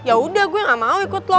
yaudah gue gak mau ikut lo